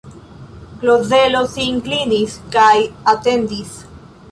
Klozelo sin klinis kaj atendis.